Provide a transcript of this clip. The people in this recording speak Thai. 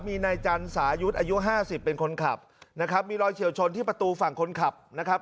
มีนายจันสายุทธ์อายุห้าสิบเป็นคนขับนะครับมีรอยเฉียวชนที่ประตูฝั่งคนขับนะครับ